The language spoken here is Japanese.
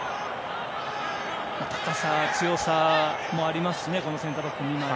高さ、強さもありますしこのセンターバック２枚は。